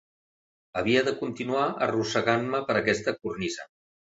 Havia de continuar, arrossegant-me per aquesta cornisa.